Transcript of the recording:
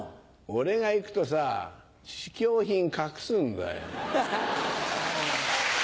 俺が行くとさ試供品隠すんだよ。